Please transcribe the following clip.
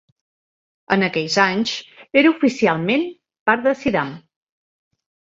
En aquells anys, era oficialment part de Zeddam.